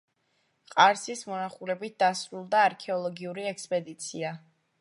ყარსის მონახულებით დასრულდა არქეოლოგიური ექსპედიცია.